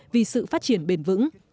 vì sự phát triển bền vững